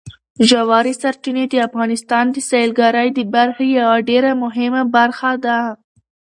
ژورې سرچینې د افغانستان د سیلګرۍ د برخې یوه ډېره مهمه برخه ده.